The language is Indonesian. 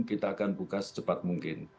kita akan buka secepat mungkin